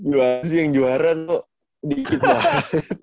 jatim yang juara tuh dikit banget